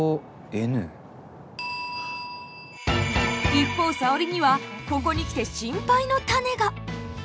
一方沙織にはここに来て心配の種が。